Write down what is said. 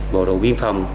bộ đội biên phòng